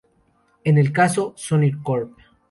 En el caso "Sony Corp.